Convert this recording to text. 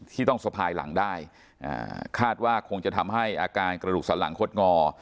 ที่ต้องสะพายหลังได้คาดว่าคงจะทำให้อาการกระดูกสันหลังคดงอ